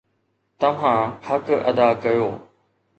توهان حق ادا ڪيو